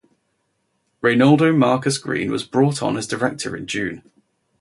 Reinaldo Marcus Green was brought on as director in June.